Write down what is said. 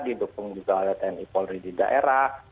didukung juga oleh tni polri di daerah